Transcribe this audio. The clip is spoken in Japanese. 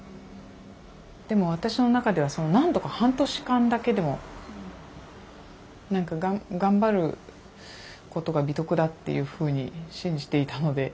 でも私の中ではなんとか半年間だけでも何か頑張ることが美徳だっていうふうに信じていたので。